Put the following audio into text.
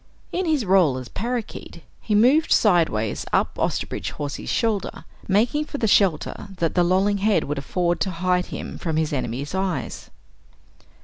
In his role as parakeet, he moved sideways up Osterbridge Hawsey's shoulder, making for the shelter that the lolling head would afford to hide him from his enemy's eyes.